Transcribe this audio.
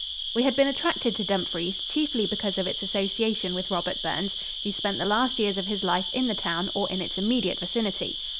] We had been attracted to Dumfries chiefly because of its association with Robert Burns, who spent the last years of his life in the town or in its immediate vicinity.